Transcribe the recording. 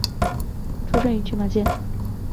出身于群马县。